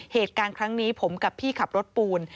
เหตุการณ์ครั้งนี้ผมกับพี่ขับรถปูน